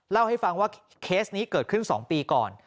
เล่าให้ฟังว่าเคสนี้เกิดขึ้น๒ปีก่อน